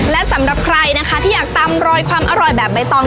และสำหรับใครนะคะที่อยากตามรอยความอร่อยแบบใบตอง